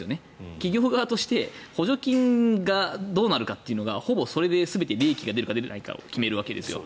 企業側として補助金がどうなるかというのがほぼそれで全て利益が出るか出ないかを決めるわけですよ。